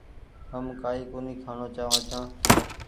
هم ڪآئي ڪونيٚ کآڻو چآوآن ڇآن۔